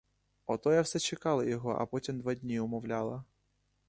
Ото я все й чекала його, а потім два дні умовляла.